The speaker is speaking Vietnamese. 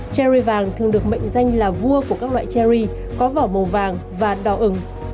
cherry vàng thường được mệnh danh là vua của các loại cherry có vỏ màu vàng và đỏ ừng